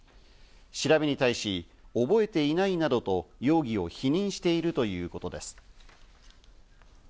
調べに対し、覚えていないなどと容疑を否認しているということです。